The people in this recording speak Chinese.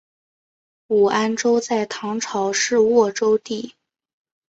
武安州在唐朝是沃州地。